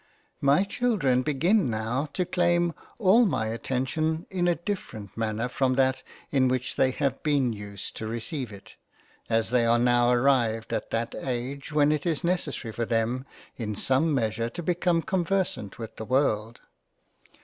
MY Children begin now to claim all my attention in a different Manner from that in which they have been used to receive it, as they are now arrived at that age when it is necessary for them in some measure to become conversant with the World.